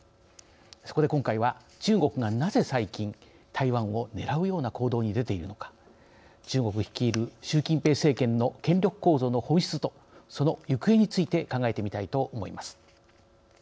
そこで今回は中国がなぜ最近台湾をねらうような行動に出ているのか中国率いる習近平政権の権力構造の本質とその行方について考えてみたいと思います。